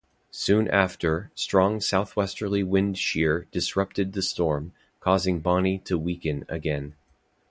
Soon after, strong southwesterly wind shear disrupted the storm, causing Bonnie to weaken again.